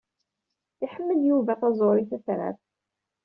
Iḥemmel Yuba taẓuṛi tatrart.